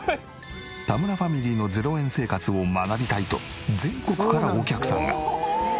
田村ファミリーの０円生活を学びたいと全国からお客さんが。